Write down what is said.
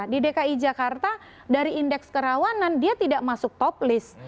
di dki jakarta dari indeks kerawanan dia tidak masuk top list